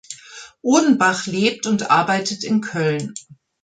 Odenbach lebt und arbeitet in Köln.